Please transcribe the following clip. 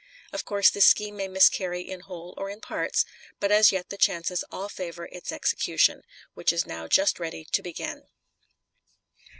Of course this scheme may miscarry in whole or in parts, but as yet the chances all favor its execution, which is now just ready to begin."